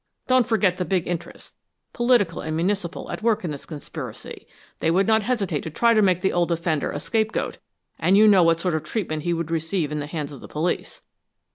"Don't forget the big interests, political and municipal, at work in this conspiracy. They would not hesitate to try to make the old offender a scape goat, and you know what sort of treatment he would receive in the hands of the police.